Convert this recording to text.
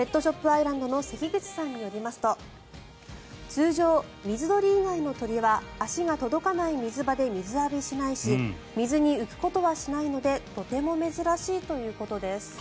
アイランドの関口さんによりますと通常、水鳥以外の鳥は足が届かない水場で水浴びしないし水に浮くことはしないのでとても珍しいということです。